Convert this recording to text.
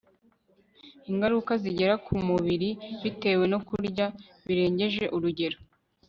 ingaruka zigera ku mubiri bitewe no kurya birengeje urugero